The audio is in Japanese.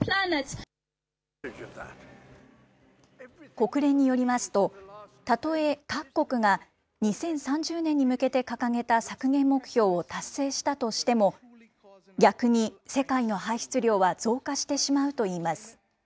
国連によりますと、たとえ各国が２０３０年に向けて掲げた削減目標を達成したとしても、逆に世界の排出量は増加してしまうといいます。